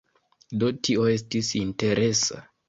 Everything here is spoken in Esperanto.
Do, tio estis interesa.